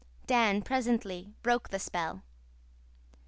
Dan presently broke the spell.